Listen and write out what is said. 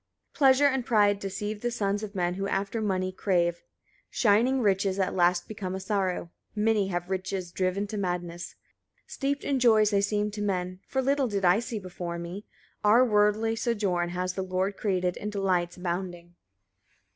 34. Pleasure and pride deceive the sons of men who after money crave; shining riches at last become a sorrow: many have riches driven to madness. 35. Steeped in joys I seemed to men; for little did I see before me: our worldly sojourn has the Lord created in delights abounding.